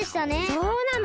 そうなの！